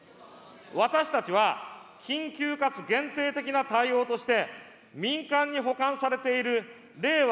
私たちは緊急かつ限定的な対応として、民間に保管されている令和